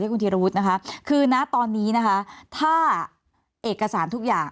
คุณธีรวุฒินะคะคือนะตอนนี้นะคะถ้าเอกสารทุกอย่าง